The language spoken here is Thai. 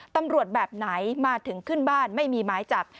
ตำรวจแบบไหนมาถึงขึ้นบ้านไม่มีไม้จับ